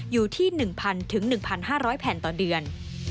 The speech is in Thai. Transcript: อยู่ที่๑๐๐๑๕๐๐แผ่นต่อเดือน